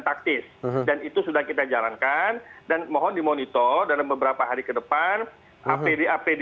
taktis dan itu sudah kita jalankan dan mohon dimonitor dalam beberapa hari ke depan apd apd